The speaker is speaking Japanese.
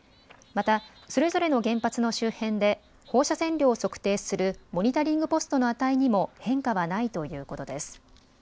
また、それぞれの原発の周辺で放射線量を測定するモニタリングポストの値にも変化はないということです。